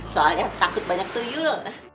soalnya takut banyak tuyul